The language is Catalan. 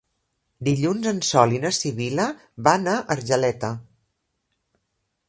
Dilluns en Sol i na Sibil·la van a Argeleta.